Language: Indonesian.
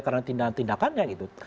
karena tindakan tindakannya gitu